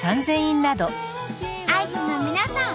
愛知の皆さん